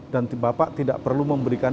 dan bapak tidak perlu memberikan